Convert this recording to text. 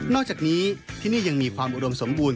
อกจากนี้ที่นี่ยังมีความอุดมสมบูรณ